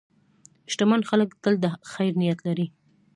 شتمن خلک تل د خیر نیت لري.